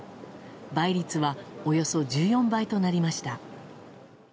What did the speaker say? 倍率はおよそ１４倍となりました。